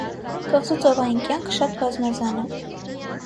Կղզու ծովային կյանքը շատ բազմազան է։